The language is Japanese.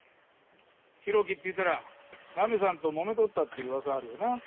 浩喜っていったらナミさんともめとったって噂あるよな。